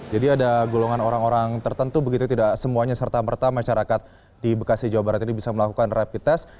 jadi ada golongan orang orang tertentu begitu tidak semuanya serta merta masyarakat di bekasi jawa barat ini bisa melakukan rapid test